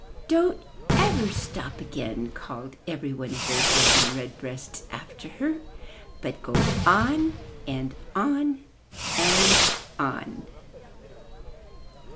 "Don't ever stop again,'' called every one of those Robin Redbreasts after her, ''but go on — and on — and on!"